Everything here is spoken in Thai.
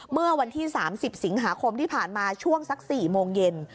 เมื่อวันที่๓๐สิงหาคมที่ผ่านมาช่วงสัก๔โมงเย็น